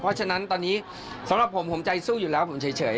เพราะฉะนั้นตอนนี้สำหรับผมผมใจสู้อยู่แล้วผมเฉย